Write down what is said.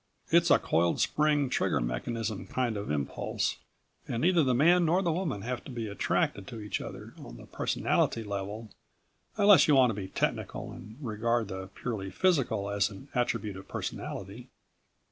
It's a coiled spring, trigger mechanism kind of impulse and neither the man nor the woman have to be attracted to each other on the personality level, unless you want to be technical and regard the purely physical as an attribute of personality.